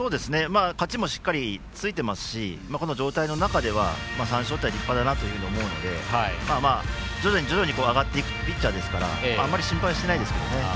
勝ちもしっかりついていますしこの状態の中では３失点、立派だなと思いますし徐々に上がっていくピッチャーですからあんまり心配はしていないですけどね。